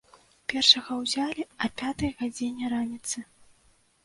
Першага ўзялі а пятай гадзіне раніцы.